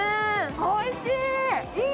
おいしい！